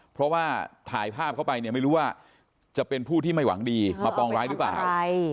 เพราะว่าถ่ายภาพเข้าไปเนี่ยไม่รู้ว่าจะเป็นผู้ที่ไม่หวังดีมาปองร้ายหรือเปล่า